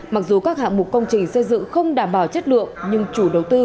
mặc dù các hạng mục công trình xây dựng không đảm bảo chất lượng nhưng chủ đầu tư